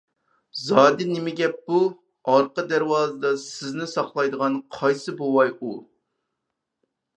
زادى نېمە گەپ بۇ؟ ئارقا دەرۋازىدا سىزنى ساقلايدىغان قايسى بوۋاي ئۇ؟